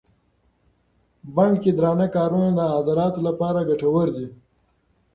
بڼ کې درانده کارونه د عضلاتو لپاره ګټور دي.